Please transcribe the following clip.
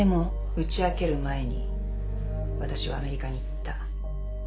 打ち明ける前にわたしはアメリカに行った。